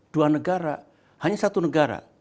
dua negara hanya satu negara